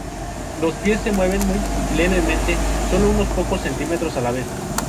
Los pies se mueven muy levemente, solo unos pocos centímetros a la vez.